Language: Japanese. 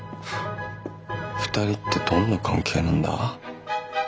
二人ってどんな関係なんだ？